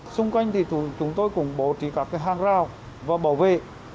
xung quanh thì chúng tôi cũng bổ trí các cái hang rào và bảo vệ